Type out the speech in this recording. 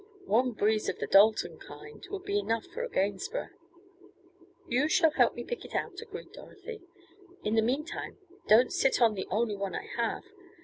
One breeze of the Dalton kind would be enough for a Gainsborough." "You shall help me pick it out," agreed Dorothy. "In the meantime don't sit on the only one I have.